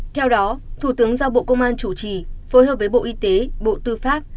theo đó thủ tướng giao bộ công an chủ trì phối hợp với bộ y tế bộ tư pháp